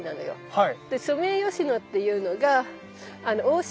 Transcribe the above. はい。